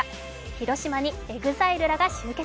広島にＥＸＩＬＥらが集結。